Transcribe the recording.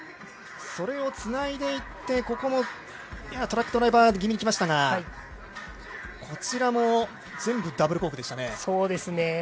そこをつないでいって、ここも、トラックドライバー気味にきましたがこちらも全部、ダブルコークでしたね。